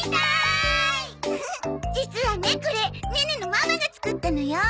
フフ実はねこれネネのママが作ったのよ。